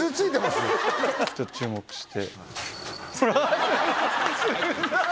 ちょっと注目して。